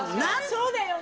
そうだよ